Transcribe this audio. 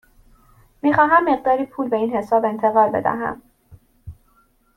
می خواهم مقداری پول به این حساب انتقال بدهم.